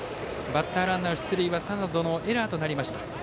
バッターランナーの出塁はサードのエラーとなりました。